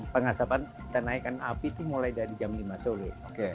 pengasapan kita naikkan api itu mulai dari jam lima sore